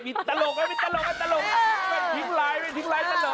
ไม่ทิ้งไลน์